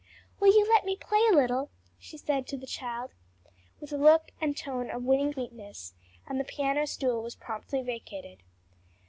"Will you let me play a little?" she said to the child, with look and tone of winning sweetness, and the piano stool was promptly vacated.